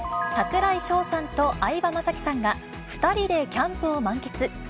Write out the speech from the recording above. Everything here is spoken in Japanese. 櫻井翔さんと相葉雅紀さんが、２人でキャンプを満喫。